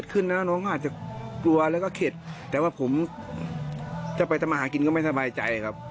เขาอาจจะกลัวแล้วก็เข็ดแต่ว่าผมจะไปทำอาหารกินก็ไม่สบายใจครับ